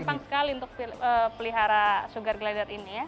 gampang sekali untuk pelihara sugar glider ini ya